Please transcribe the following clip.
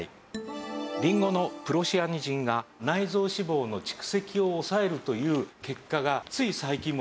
りんごのプロシアニジンが内臓脂肪の蓄積を抑えるという結果がつい最近も出たんです。